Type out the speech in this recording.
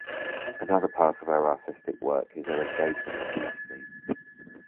Another part of her artistic work is her engagement in the off scene.